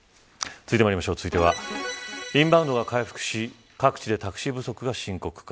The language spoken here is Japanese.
続いてはインバウンドが回復し各地でタクシー不足が深刻化。